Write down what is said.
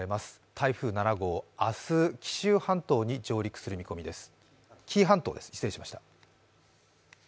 台風７号、明日、紀伊半島に上陸する見込みです。